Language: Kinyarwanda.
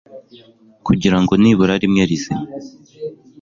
kugira ngo nibura rimwe rizima